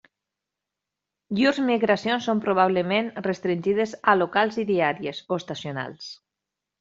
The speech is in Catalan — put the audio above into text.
Llurs migracions són probablement restringides a locals i diàries o estacionals.